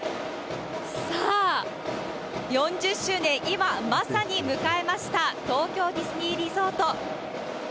さあ、４０周年、今、まさに迎えました、東京ディズニーリゾート。